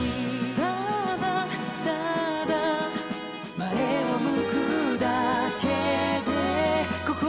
「ただ、ただ」「前を向くだけで心が笑ってる」